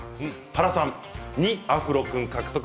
原さんは２アフロ君獲得。